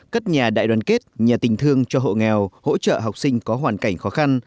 cất nhà đại đoàn kết nhà tình thương cho hộ nghèo hỗ trợ học sinh có hoàn cảnh khó khăn